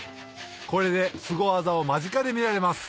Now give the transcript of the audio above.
これですご技を間近で見られます